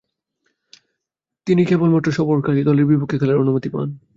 তিনি কেবলমাত্র সফরকারী দলের বিপক্ষে খেলার অনুমতি পান।